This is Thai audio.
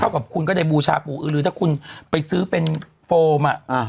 เข้ากับคุณก็ได้บูชาปูอือหรือถ้าคุณไปซื้อเป็นโฟมอ่ะอ่าฮะ